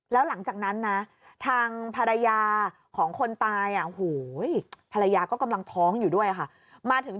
แล้วหลังจากนั้นนะทางภรรยาของคนตายภรรยาก็กำลังท้องอยู่ด้วยค่ะมาถึง